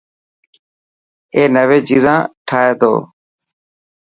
اي نوي چيزان ٺاهي تو.